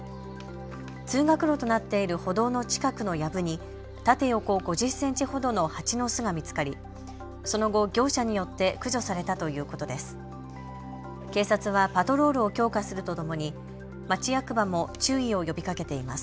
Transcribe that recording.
通学路となっている歩道の近くのやぶに縦横５０センチほどのハチの巣が見つかりその後、業者によって駆除されたということです。